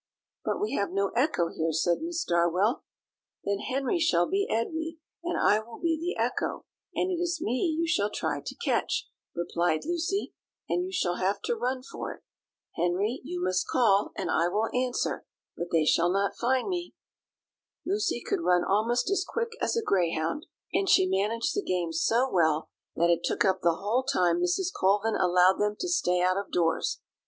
"But we have no echo here," said Miss Darwell. "Then Henry shall be Edwy, and I will be the echo: and it is me you shall try to catch," replied Lucy; "and you shall have to run for it. Henry, you must call, and I will answer, but they shall not find me." Lucy could run almost as quick as a greyhound, and she managed the game so well, that it took up the whole time Mrs. Colvin allowed them to stay out of doors.